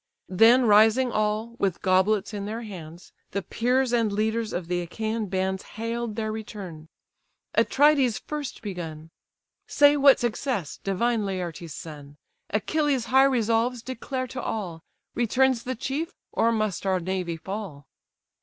Then rising all, with goblets in their hands, The peers and leaders of the Achaian bands Hail'd their return: Atrides first begun: "Say what success? divine Laertes' son! Achilles' high resolves declare to all: Returns the chief, or must our navy fall?"